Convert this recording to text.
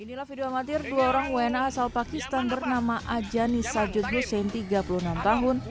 inilah video amatir dua orang wna asal pakistan bernama ajani saljud hussein tiga puluh enam tahun